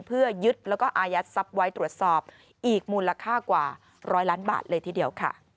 เพื่อยึดแล้วก็อายัดทรัพย์ไว้ตรวจสอบอีกมูลค่ากว่า๑๐๐ล้านบาทเลยทีเดียวค่ะ